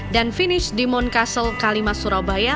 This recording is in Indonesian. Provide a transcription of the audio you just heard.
dan finish di mount castle kalimah surabaya